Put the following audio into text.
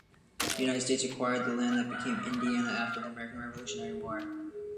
The United States acquired the land that became Indiana after the American Revolutionary War.